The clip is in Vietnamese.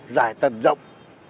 giải tầm rộng